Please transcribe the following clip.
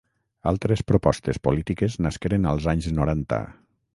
Altres propostes polítiques nasqueren als anys noranta.